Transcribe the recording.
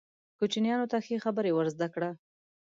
کوچنیانو ته ښې خبرې ور زده کړه.